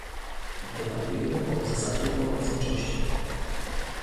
Debatujemy o zasadzie pomocniczości